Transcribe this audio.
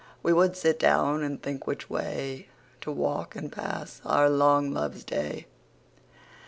We would sit down, and think which wayTo walk, and pass our long Loves Day.